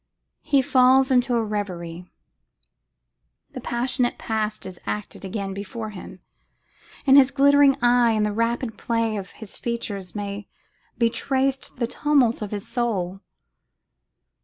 He falls into a reverie; the passionate past is acted again before him; in his glittering eye and the rapid play of his features may be traced the tumult of his soul.